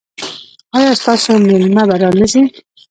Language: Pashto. ایا ستاسو میلمه به را نه ځي؟